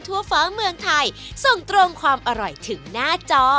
ทั่วฟ้าเมืองไทยส่งตรงความอร่อยถึงหน้าจอ